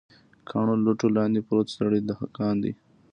کاڼو، لوټو لاندې پروت ستړی دهقان دی